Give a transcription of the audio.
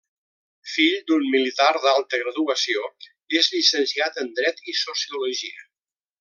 Fill d'un militar d'alta graduació, és llicenciat en Dret i Sociologia.